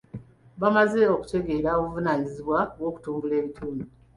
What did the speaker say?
Bamaze okutegeera obuvunanyizibwa bw'okutumbula ebitundu.